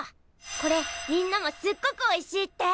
これみんなもすっごくおいしいって。